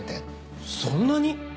そんなに！